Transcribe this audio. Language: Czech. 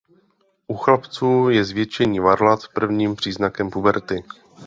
U chlapců je zvětšení varlat prvním příznakem puberty.